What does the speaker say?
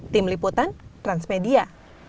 tim liputan transmedia